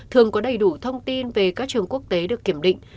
thường có đầy đủ thông tin về các trường quốc tế được kiểm định